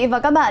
và các bạn